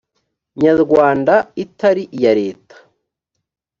nyarwanda itari iya leta